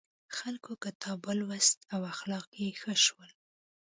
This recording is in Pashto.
خلکو کتاب ولوست او اخلاق یې ښه شول.